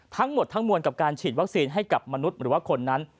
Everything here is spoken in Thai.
ทั้งหมดทั้งมวลกับการฉีดวัคซีนให้กับมนุษย์หรือว่าคนนั้น